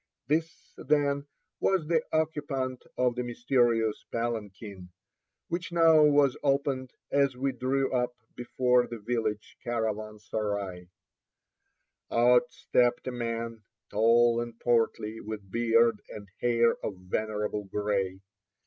This, then, was the occupant of the mysterious palanquin, which now was opened as we drew up before the village caravansary. Out stepped a man, tall and portly, with beard and hair of venerable gray.